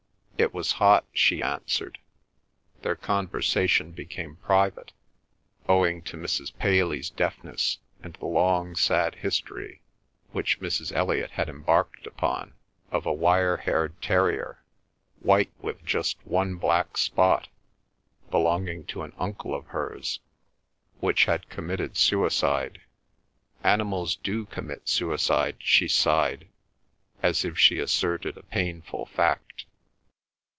"It was hot," she answered. Their conversation became private, owing to Mrs. Paley's deafness and the long sad history which Mrs. Elliot had embarked upon of a wire haired terrier, white with just one black spot, belonging to an uncle of hers, which had committed suicide. "Animals do commit suicide," she sighed, as if she asserted a painful fact.